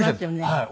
はい。